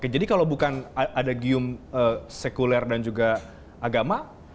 jadi kalau bukan ada gium sekuler dan juga agama apa